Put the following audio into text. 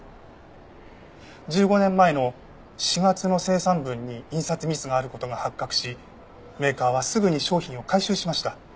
１５年前の４月の生産分に印刷ミスがある事が発覚しメーカーはすぐに商品を回収しました。